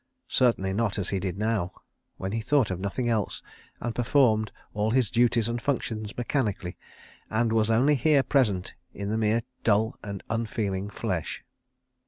Certainly not as he did now—when he thought of nothing else, and performed all his duties and functions mechanically and was only here present in the mere dull and unfeeling flesh.